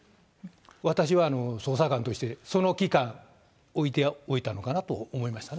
私は捜査官としてその期間置いておいたのかなと思いましたね。